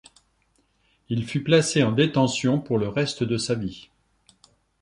Il fut placé en détention pour le reste de sa vie.